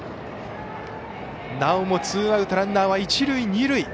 なおもツーアウトランナーは一塁二塁。